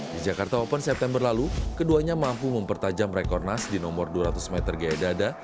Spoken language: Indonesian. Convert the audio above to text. di jakarta open september lalu keduanya mampu mempertajam rekornas di nomor dua ratus meter gaya dada